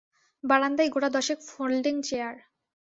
বারান্দায় গোটা দশেক ফোন্ডিং চেয়ার।